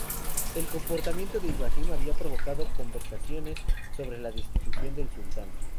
El comportamiento de Ibrahim había provocado conversaciones sobre la destitución del sultán.